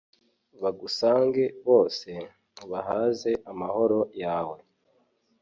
bagusange bose, ubahaze amahoro yawe